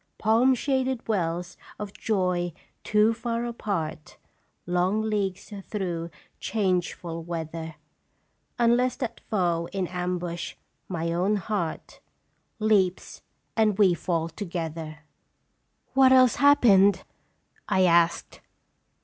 "Palm shaded wells of joy, too far apart, Long leagues through changeful weather, Unless that foe in ambush, my own heart, Leaps, and we fall together !" 84 & Strajj " What else happened?" I asked.